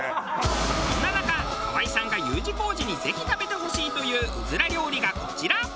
そんな中河合さんがＵ字工事にぜひ食べてほしいといううずら料理がこちら。